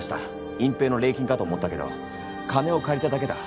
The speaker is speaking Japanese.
隠蔽の礼金かと思ったけど金を借りただけだ。